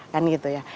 kan gitu ya